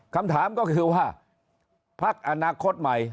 คำถามก็คือว่าพักอนาคตใหม่